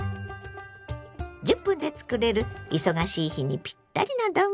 １０分で作れる忙しい日にピッタリの丼。